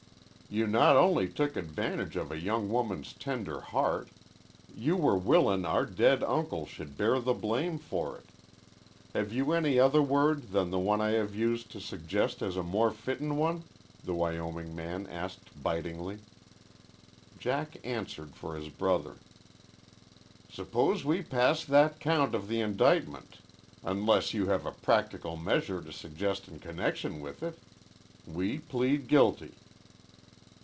"You not only took advantage of a young woman's tender heart. You were willin' our dead uncle should bear the blame for it. Have you any other word than the one I have used to suggest as a more fittin' one?" the Wyoming man asked bitingly. Jack answered for his brother. "Suppose we pass that count of the indictment, unless you have a practical measure to suggest in connection with it. We plead guilty."